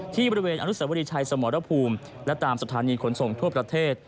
ที่บริเวณอนุสวรีชัยสมรภูมิและตามสถานีขนส่งทั่วประเทศ